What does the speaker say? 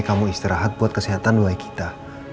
kamu istirahat buat kesehatan way kita